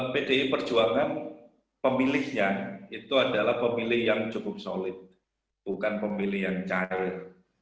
pdi perjuangan pemilihnya itu adalah pemilih yang cukup solid bukan pemilih yang cair